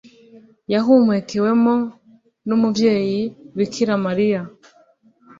yahumekewemo n’umubyeyi bikira mariya